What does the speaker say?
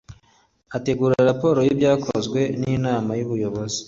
ategura raporo y ibyakozwe n inama y ubuyobozi